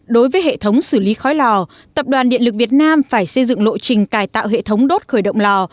đối với hệ thống xử lý khói lò tập đoàn điện lực việt nam phải xây dựng lộ trình cải tạo hệ thống đốt khởi động lò